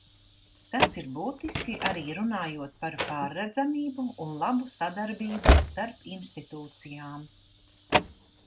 Tas ir būtiski arī runājot par pārredzamību un labu sadarbību starp institūcijām.